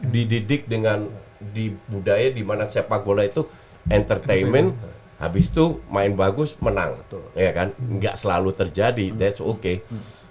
dididik dengan di budaya dimana sepak bola itu entertainment habis tuh main bagus menang ya kan